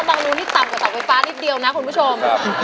บางรูนี่ต่ำกว่าเสาไฟฟ้านิดเดียวนะคุณผู้ชม